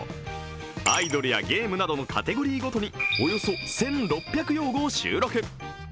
アイドルやゲームなどのカテゴリーごとにおよそ１６００用語を収録。